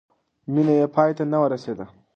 مینه یې پای ته ونه رسېده.